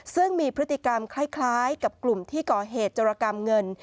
ซึ่งมีพฤติกรรมคล้ายกับกลุ่มที่ก่อเหตุจรกรรมเงิน